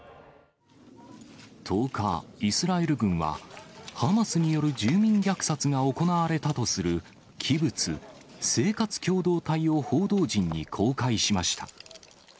１０日、イスラエル軍は、ハマスによる住民虐殺が行われたとするキブツ・生活共同体を報道陣に公開しました。